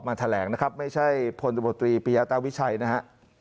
มาแถลงนะครับไม่ใช่พบปริยาตาวิชัยนะฮะ